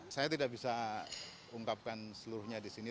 saya tidak bisa ungkapkan seluruhnya di sini